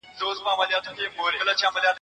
پر ملا کړوپ دی ستا له زور څخه خبر دی